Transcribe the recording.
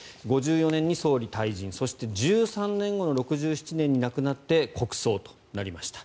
５４年に総理大臣退陣そして１３年後の６７年に亡くなって国葬となりました。